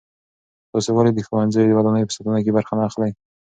تاسې ولې د ښوونځیو د ودانیو په ساتنه کې برخه نه اخلئ؟